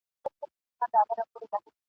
بهار به راسي خو زه به نه یم !.